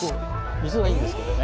水はいいんですけどね。